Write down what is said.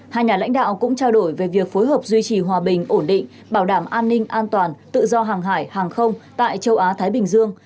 hai nhà lãnh đạo cũng trao đổi về việc phối hợp duy trì hòa bình ổn định bảo đảm an ninh an toàn tự do hàng hải hàng không tại châu á thái bình dương